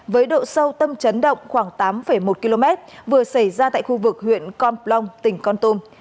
với độ sâu tâm chấn động khoảng tám một km vừa xảy ra tại khu vực huyện con plong tỉnh con tum